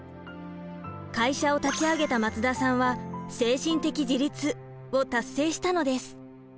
会社を立ち上げた松田さんは精神的自立を達成したのです。